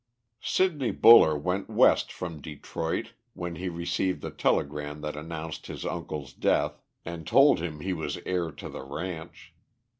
Sidney Buller went west from Detroit when he received the telegram that announced his uncle's death and told him he was heir to the ranch.